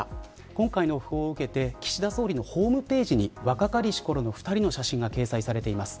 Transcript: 今回の訃報を受けて岸田総理のホームページに若かりしころの２人の写真が掲載されています。